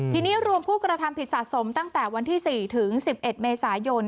ทีนี้รวมผู้กระทำผิดสะสมตั้งแต่วันที่๔ถึง๑๑เมษายน